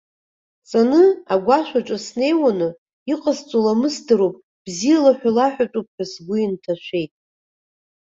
Ҵаны, агәашәаҿы снеиуаны, иҟасҵо ламысдароуп, бзиала ҳәа лаҳәатәуп ҳәа сгәы инҭашәеит.